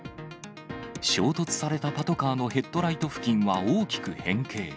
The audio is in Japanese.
衝突されたパトカーのヘッドライト付近は大きく変形。